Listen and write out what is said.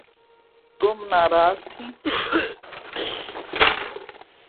تم ناراض تھیں